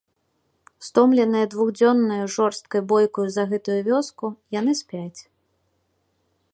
Стомленыя двухдзённаю жорсткай бойкаю за гэтую вёску, яны спяць.